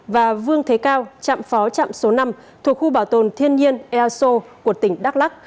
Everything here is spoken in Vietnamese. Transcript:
và vương thế cao trạm phó trạm số năm thuộc khu bảo tồn thiên nhiên elso của tỉnh đắk lắc